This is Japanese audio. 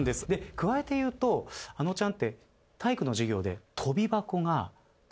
加えて言うとあのちゃんって体育の授業で。